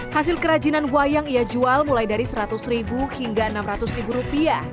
hasil kerajinan wayang ia jual mulai dari seratus ribu hingga enam ratus ribu rupiah